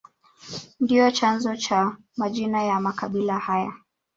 Ndio chanzo cha majina ya makabila haya